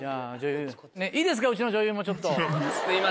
いいですかうちの女優もちょっと。